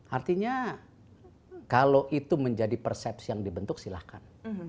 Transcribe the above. artinya kalau itu menjadi persepsi yang dibentuk silahkan